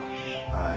はい。